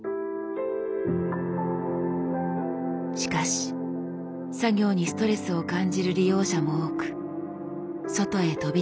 しかし作業にストレスを感じる利用者も多く外へ飛び出す人も。